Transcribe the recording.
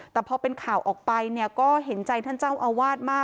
แต่พอเป็นข่าวออกไปเนี่ยก็เห็นใจท่านเจ้าอาวาสมาก